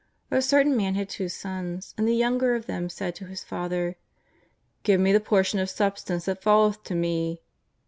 A certain man had two sons, and the younger of them said to his father :" Give me the portion of substance that falleth to me."